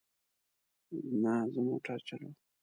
نه، زه موټر چلوم